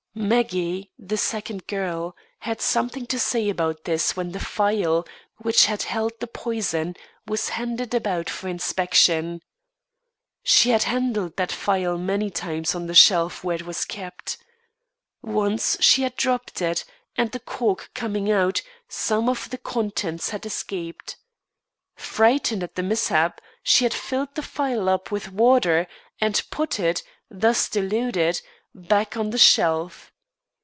Maggie, the second girl, had something to say about this when the phial which had held the poison was handed about for inspection. She had handled that phial many times on the shelf where it was kept. Once she had dropped it, and the cork coming out, some of the contents had escaped. Frightened at the mishap, she had filled the phial up with water, and put it, thus diluted, back on the shelf.